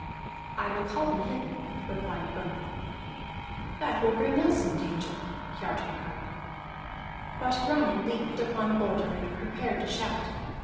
"I will call them hither," replied Grani. "That will bring us in danger!" Kiartan cried. But Grani leaped upon a boulder and prepared to shout.